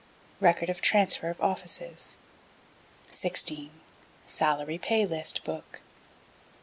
Record of transfer of offices. 16. Salary Pay List Book.